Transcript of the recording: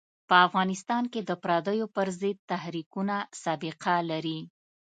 په افغانستان کې د پرديو پر ضد تحریکونه سابقه لري.